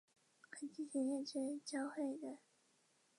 可进行列车交会的。